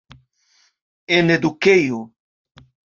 En edukejo.